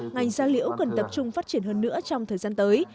ngành gia liễu cần tập trung phát triển hơn nữa trong thời gian tới